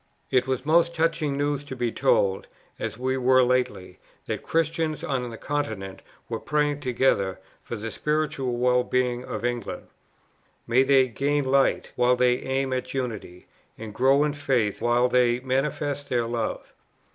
It was most touching news to be told, as we were lately, that Christians on the Continent were praying together for the spiritual well being of England. May they gain light, while they aim at unity, and grow in faith while they manifest their love!